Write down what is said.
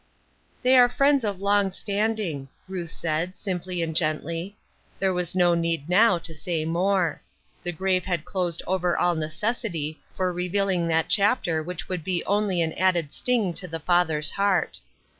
" They are friends of long standing," Ruth said, simply and gently ; there was no need now, to say more. The grave had closed over all necessity for revealing that chapter which would be only an added sting to the father's heart.